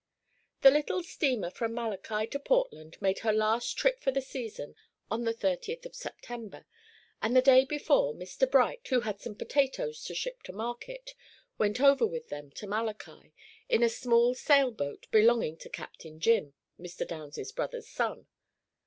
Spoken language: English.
The little steamer from Malachi to Portland made her last trip for the season on the 30th of September; and the day before, Mr. Bright, who had some potatoes to ship to market, went over with them to Malachi, in a small sail boat belonging to Captain Jim, Mr. Downs's brother's son.